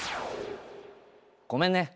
ごめんね